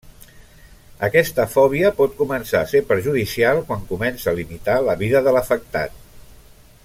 Aquesta fòbia pot començar a ser perjudicial quan comença a limitar la vida de l'afectat.